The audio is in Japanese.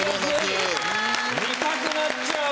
見たくなっちゃう。